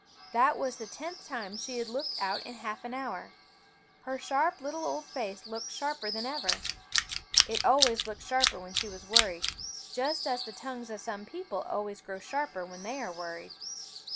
That was the tenth time she had looked out in half an hour. Her sharp little old face looked sharper than ever. It always looks sharper when she is worried, just as the tongues of some people always grow sharper when they are worried.